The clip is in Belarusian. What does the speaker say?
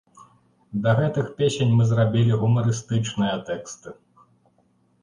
Да гэтых песень мы зрабілі гумарыстычныя тэксты.